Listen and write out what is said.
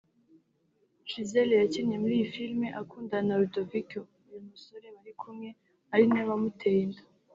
Giselle yakinnye muri iyi filmi akundana na Rudoviko(uyu musore bari kumwe) ari nawe wamuteye inda